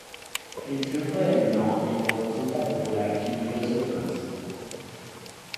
El triunfo del No en la consulta popular impidió su reconocimiento.